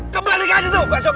kembalikan itu mbak soka